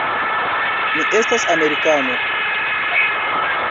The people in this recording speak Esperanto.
Mi estas amerikano.